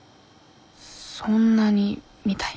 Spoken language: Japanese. そんなにみたい「